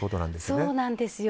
そうなんですよ。